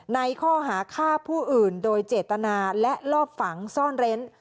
ในข้อหาฆ่าผู้อื่นโดยเจตนาและลอบฝังซ่อนเร้น